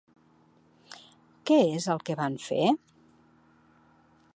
Què és el que van fer?